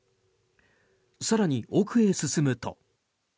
更に、奥へ進むと。